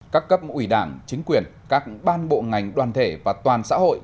các cấp ủy đảng chính quyền các ban bộ ngành đoàn thể và toàn xã hội